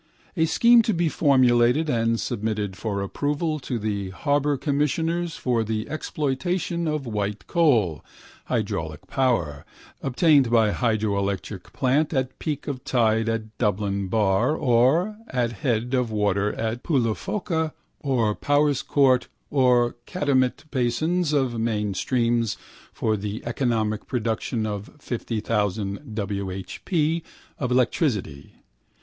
A scheme to be formulated and submitted for approval to the harbour commissioners for the exploitation of white coal (hydraulic power), obtained by hydroelectric plant at peak of tide at Dublin bar or at head of water at Poulaphouca or Powerscourt or catchment basins of main streams for the economic production of 500,000 W. H. P. of electricity.